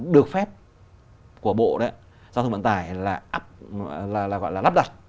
được phép của bộ giao thông vận tải là gọi là lắp đặt